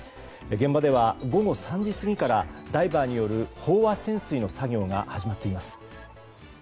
現場では午後３時過ぎからダイバーによる飽和潜水の作業が始まっています。